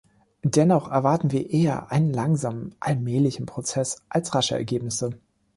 Dennoch erwarten wir eher einen langsamen, allmählichen Prozess als rasche Ergebnisse.